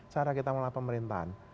cara kita mengelola pemerintahan